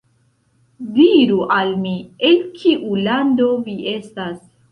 Diru al mi, el kiu lando vi estas.